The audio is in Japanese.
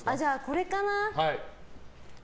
これかな。